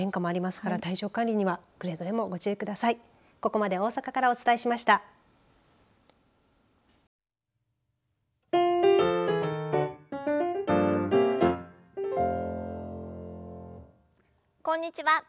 こんにちは